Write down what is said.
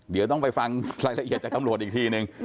เดี๋ยวต้องไปฟังรายละเอียดจากตำรวจอีกทีนึง